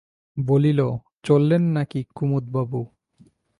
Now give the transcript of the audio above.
বলিল, চললেন নাকি কুমুদবাবু?